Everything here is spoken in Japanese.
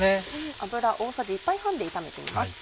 油大さじ１杯半で炒めています。